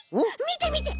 みてみて。